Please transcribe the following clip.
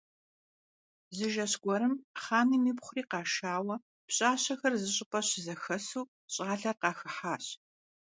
Zı jjeş guerım xhanım yipxhuri khaşşaue pşaşexer zış'ıp'e şızexesu ş'aler khaxıhaş.